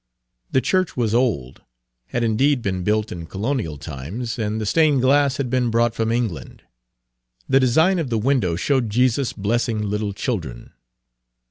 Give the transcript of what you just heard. The church was old, had indeed been built in colonial times, and the stained glass had been brought from England. The design of the window showed Jesus blessing little children.